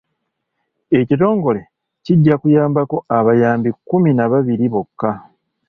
Ekitongole kijja kuyambako abayambi kkuminababiri bokka.